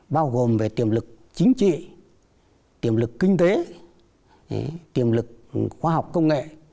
bao gồm về tiềm lực chính trị tiềm lực kinh tế tiềm lực khoa học công nghệ